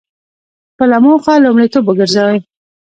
خپله موخه لومړیتوب وګرځوئ.